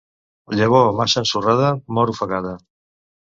Llavor massa ensorrada mor ofegada.